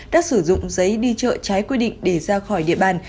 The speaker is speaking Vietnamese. đã sử dụng giấy đi chợ trái quy định để ra khỏi địa bàn